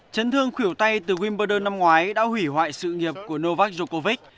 trấn thương khỉu tay từ wimbledon năm ngoái đã hủy hoại sự nghiệp của novak djokovic